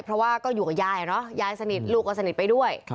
เพราะว่าก็อยู่กับยายเนอะยายสนิทลูกก็สนิทไปด้วย